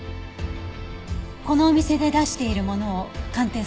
このお店で出しているものを鑑定させてください。